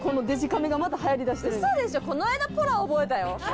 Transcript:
嘘でしょこの間ポラ覚えたよ。